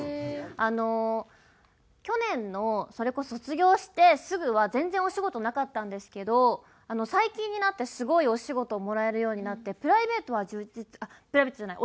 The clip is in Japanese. あの去年のそれこそ卒業してすぐは全然お仕事なかったんですけど最近になってすごいお仕事をもらえるようになってプライベートは充実プライベートじゃない。